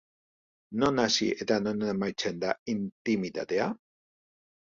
Non hasi eta non amaitzen da intimitatea?